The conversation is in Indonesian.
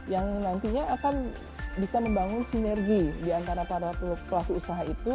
yang nantinya akan bisa membangun sinergi diantara para pelaku usaha itu